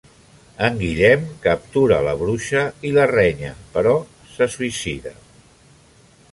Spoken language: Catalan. En Guillem captura la bruixa i la renya però se suïcida.